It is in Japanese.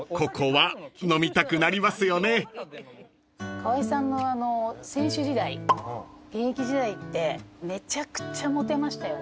川合さんの選手時代現役時代ってめちゃくちゃモテましたよね。